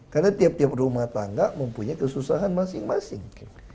karena tiap tiap rumah tangga mempunyai kesusahan masing masing